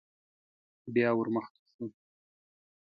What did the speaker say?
بيا ور مخته شو.